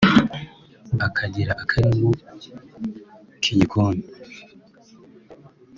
Akagira akarimo k’igikoni